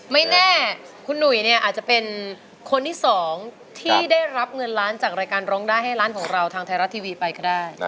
ไม่แน่คุณหนุ่ยเนี่ยอาจจะเป็นคนที่สองที่ได้รับเงินล้านจากรายการร้องได้ให้ร้านของเราทางไทยรัฐทีวีไปก็ได้